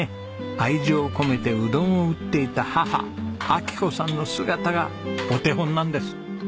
愛情込めてうどんを打っていた母昭子さんの姿がお手本なんです。